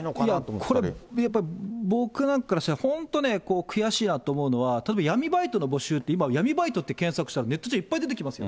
これ、やっぱり僕なんかからしたら、本当ね、悔しいなと思うのは、例えば闇バイトの募集って、今、闇バイトって検索したら、ネットでいっぱい出てきますよ。